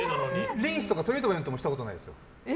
リンスとかトリートメントもしたことないです。